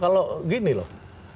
kalau gini loh